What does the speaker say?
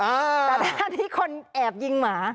แต่ตรงนั้นคนแอบยิงหมา